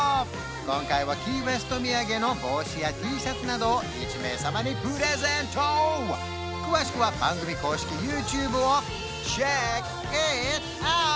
今回はキーウェスト土産の帽子やＴシャツなどを１名様にプレゼント詳しくは番組公式ＹｏｕＴｕｂｅをｃｈｅｃｋｉｔｏｕｔ！